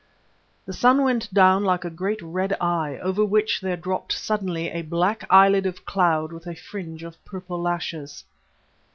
The sun went down like a great red eye, over which there dropped suddenly a black eyelid of cloud with a fringe of purple lashes.